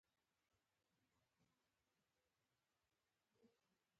ګل د پاکې مینې استازی دی.